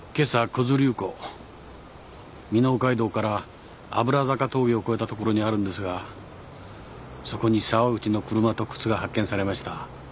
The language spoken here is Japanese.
九頭竜湖美濃街道から油坂峠を越えた所にあるんですがそこに沢口の車と靴が発見されました。